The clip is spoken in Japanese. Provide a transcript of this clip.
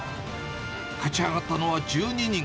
勝ち上がったのは１２人。